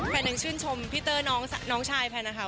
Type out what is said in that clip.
แฟนหนึ่งชื่นชมพิเตอร์น้องชายแฟนนะคะ